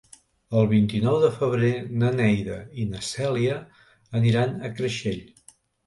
El vint-i-nou de febrer na Neida i na Cèlia aniran a Creixell.